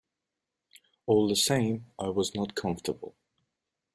All the same I was not comfortable.